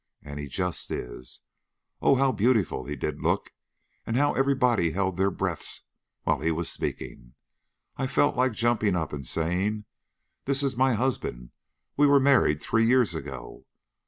And he just is! Oh, how beautiful he did look, and how everybody held their breaths while he was speaking! I felt like jumping up and saying: 'This is my husband; we were married three years ago.'